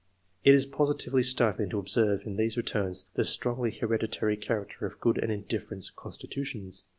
It is positively startling to observe in these returns the strongly hereditary character of good and indifferent constitutions.